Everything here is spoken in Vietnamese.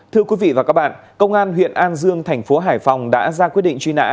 thưa quý vị và các bạn công an huyện an dương thành phố hải phòng đã ra quyết định truy nã